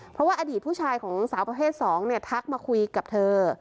เพราะว่าอดีตผู้ชายของสาวประเภท๒ทักมาคุยกับเธอ